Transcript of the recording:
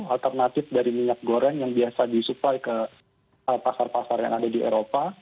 alternatif dari minyak goreng yang biasa disuplai ke pasar pasar yang ada di eropa